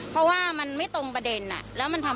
เพราะว่ามันไม่ตรงประเด็นแล้วมันทำ